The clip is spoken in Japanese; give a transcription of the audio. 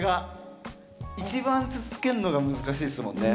一番続けんのが難しいですもんね。